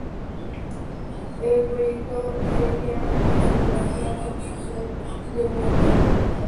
El proyecto preveía además la construcción de un hotel y de tiendas, entre otros.